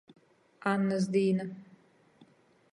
Annys dīna.